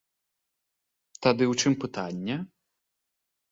Тады ў чым пытанне?